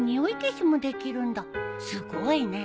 すごいね。